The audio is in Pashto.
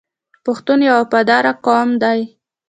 پښتون یو وفادار قوم دی.